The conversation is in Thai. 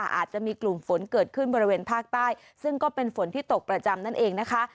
อาจจะมีกลุ่มฝนเกิดขึ้นบริเวณภาคใต้ซึ่งก็เป็นฝนที่ตกประจำนั่นเองนะคะ